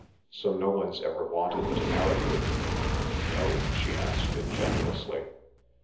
"So no one's ever wanted to marry you?" "No," she answered ingenuously.